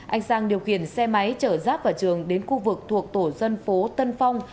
anh sang điều khiển xe máy chở giáp và trường đến khu vực thuộc tổ dân phố tân phong